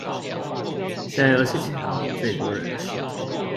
社遊是喬最多人的時間